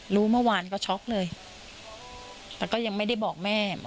รู้เมื่อวานก็ช็อกเลยแต่ก็ยังไม่ได้บอกแม่